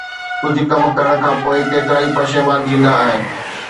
ڪجھ ڪم ڪرڻ کان پوءِ ڪيترائي پشيمان ٿيندا آھن